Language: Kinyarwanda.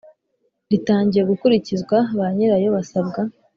Ritangiye gukurikizwa banyirayo basabwa